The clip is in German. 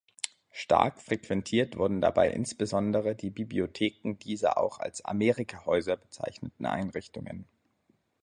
Stark frequentiert wurden dabei insbesondere die Bibliotheken dieser auch als "Amerika-Häuser" bezeichneten Einrichtungen.